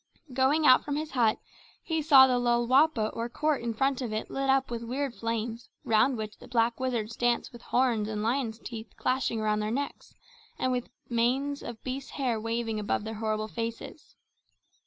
Going out from his hut, he saw the lolwapa or court in front of it lit up with weird flames round which the black wizards danced with horns and lions' teeth clashing about their necks, and with manes of beasts' hair waving above their horrible faces.